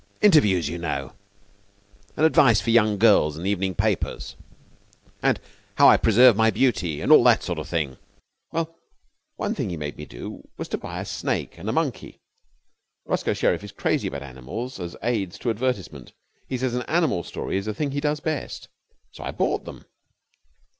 Interviews, you know, and Advice to Young Girls in the evening papers, and How I Preserve My Beauty, and all that sort of thing. Well, one thing he made me do was to buy a snake and a monkey. Roscoe Sherriff is crazy about animals as aids to advertisement. He says an animal story is the thing he does best. So I bought them.